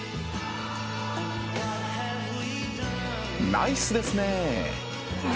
「ナイスですね」